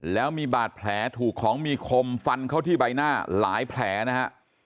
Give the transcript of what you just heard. แล้วมีบาดแผลถูกของมีคมฟันเข้าที่ใบหน้าหลายแผลนะฮะ